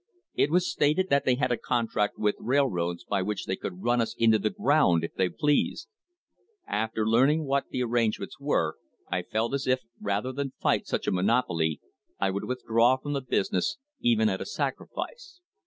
It was stated that they had a con tract with railroads by which they could run us into the ground if they pleased. After learning what the arrangements were I felt as if, rather than fight such a monopoly, I would withdraw from the business, even at a sacrifice.